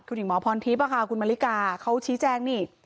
คุณหญิงหมอพรทิพย์คุณมริกาเขาชี้แจงนี่